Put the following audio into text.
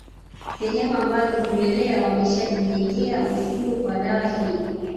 Sehemu ambazo vimelea wameshajijengea usugu kwa dawa hii